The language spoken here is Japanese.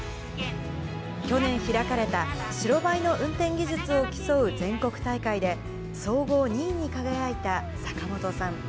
去年開かれた、白バイの運転技術を競う全国大会で、総合２位に輝いた坂元さん。